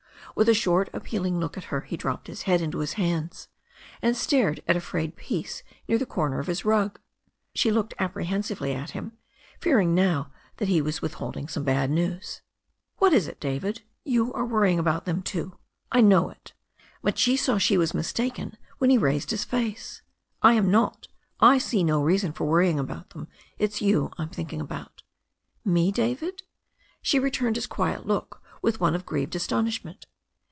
With a short appealing look at her he dropped his head into his hands, and stared at a frayed piece near the corner of his rug. She looked apprehensively at him, fearing now that he was withholding some bad news. "What is it, David? You are worrying about them too. I know it." But she saw she was mistaken when he raised his face. "I am not. I see no reason for worrying about them. It's you I'm thinking about." "Me, David?" She returned his quiet look with one of grieved astonishment.